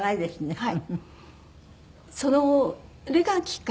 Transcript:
はい。